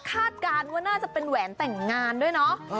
การว่าน่าจะเป็นแหวนแต่งงานด้วยเนาะ